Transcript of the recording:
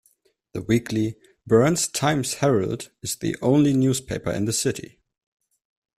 The weekly "Burns Times-Herald" is the only newspaper in the city.